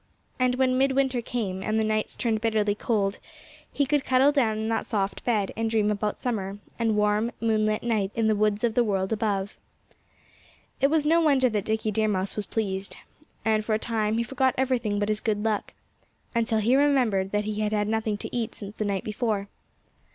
And when midwinter came, and the nights turned bitterly cold, he could cuddle down in that soft bed and dream about summer, and warm, moonlit nights in the woods of the world above. It was no wonder that Dickie Deer Mouse was pleased. And for a time he forgot everything but his good luck until he remembered that he had had nothing to eat since the night before.